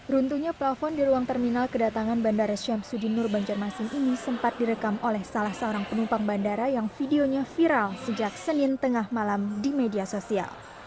runtuhnya plafon di ruang terminal kedatangan bandara syamsudinur banjarmasin ini sempat direkam oleh salah seorang penumpang bandara yang videonya viral sejak senin tengah malam di media sosial